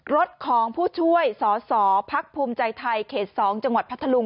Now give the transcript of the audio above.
รถของผู้ช่วยสอสอพักภูมิใจไทยเขต๒จังหวัดพัทธลุง